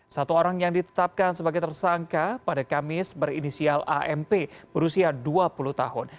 satu orang yang ditetapkan sebagai tersangka pada kamis berinisial amp berusia dua puluh tahun